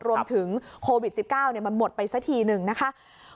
รวมถึงโควิด๑๙มันหมดไปสักทีหนึ่งนะคะ